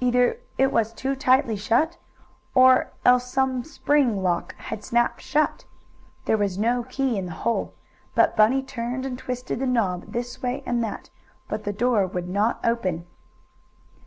Either it was too tightly shut, or else some spring lock had snapped shut. There was no key in the hole, but Bunny turned and twisted the knob, this way and that. But the door would not open.